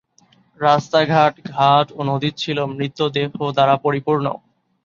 রাস্তাঘাট, ঘাট ও নদী ছিল মৃতদেহ দ্বারা পরিপূর্ণ।